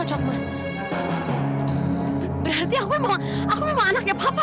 suara emas dalam